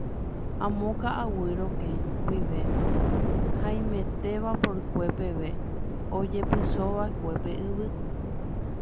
Amo Ka'aguy Rokẽ guive haimete vapor-kue peve ojepysova'ekue pe yvy.